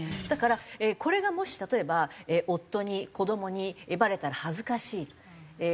だからこれがもし例えば夫に子どもにバレたら恥ずかしい。